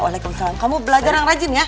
waalaikumsalam kamu belajar yang rajin ya